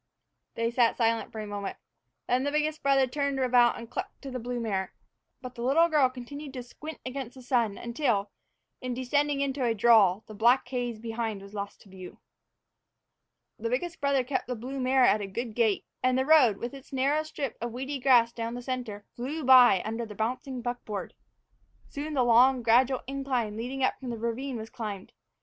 They sat silent for a moment. Then the biggest brother turned about and clucked to the blue mare. But the little girl continued to squint against the sun until, in descending into a draw, the black haze behind was lost to view. The biggest brother kept the blue mare at a good gait, and the road, with its narrow strip of weedy grass down the center, flew by under the bouncing buckboard. Soon the long, gradual incline leading up from the ravine was climbed.